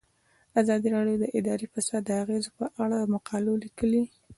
ازادي راډیو د اداري فساد د اغیزو په اړه مقالو لیکلي.